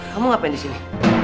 kamu ngapain disini